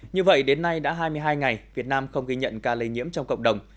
như vậy đến nay đã hai mươi hai ngày việt nam không ghi nhận ca lây nhiễm trong cộng đồng